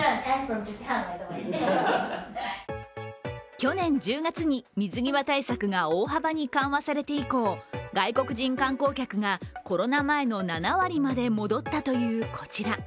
去年１０月に水際対策が大幅に緩和されて以降外国人観光客がコロナ前の７割まで戻ったというこちら。